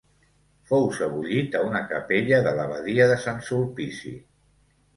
Fou sebollit a una capella de l'abadia de Sant Sulpici.